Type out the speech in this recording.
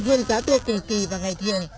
nguyên giá tua cùng kỳ và ngày thiền